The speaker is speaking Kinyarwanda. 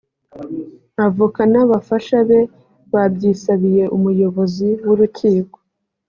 avoka n’abafasha be babyisabiye umuyobozi w’urukiko